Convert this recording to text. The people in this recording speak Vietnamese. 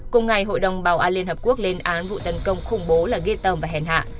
cùng ngày hội đồng bảo an liên hợp quốc lên án vụ tấn công khủng bố là getterm và hèn hạ